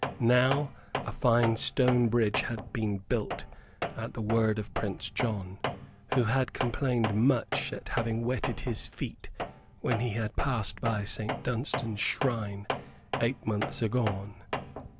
Now a fine stone bridge had been built, at the word of Prince John, who had complained much at having wetted his feet when he had passed by St. Dunstan's shrine eight months agone.